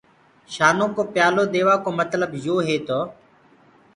شآنو ڪو پيآلو ديوآ ڪو متلب تو هي تو،